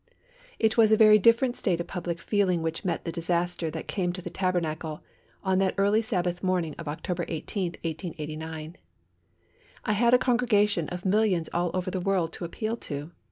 It was a very different state of public feeling which met the disaster that came to the Tabernacle on that early Sabbath morning of October 18, 1889. I had a congregation of millions all over the world to appeal to.